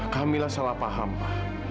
wah kamilah salah paham ma